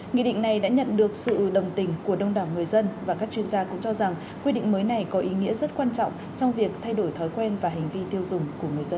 nghị định này đã nhận được sự đồng tình của đông đảo người dân và các chuyên gia cũng cho rằng quy định mới này có ý nghĩa rất quan trọng trong việc thay đổi thói quen và hành vi tiêu dùng của người dân